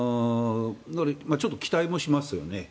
ちょっと期待もしますよね。